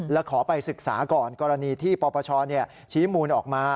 และขอไปศึกษาก่อนกรณีที่ปปชชี้มูลออกมา